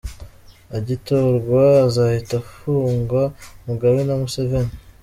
Agitorwa azahita afunga Mugabe na Museveni.